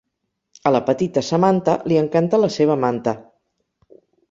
A la petita Samantha li encanta la seva manta.